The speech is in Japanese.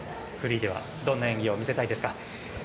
フリーではどんな演技を見せたいですか？